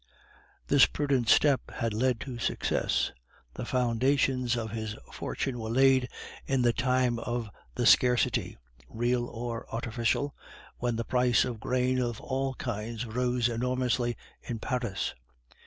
This prudent step had led to success; the foundations of his fortune were laid in the time of the Scarcity (real or artificial), when the price of grain of all kinds rose enormously in Paris.